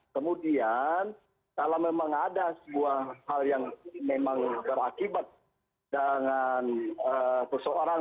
kemudian kalau memang ada sebuah hal yang memang berakibat dengan seseorang